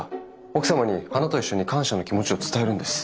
奥様に花と一緒に感謝の気持ちを伝えるんです。